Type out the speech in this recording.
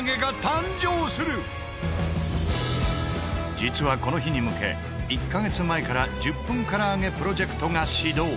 実はこの日に向け１カ月前から１０分唐揚げプロジェクトが始動。